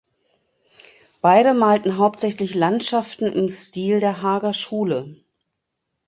Beide malten hauptsächlich Landschaften im Stil der Haager Schule.